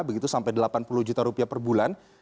begitu sampai delapan puluh juta rupiah per bulan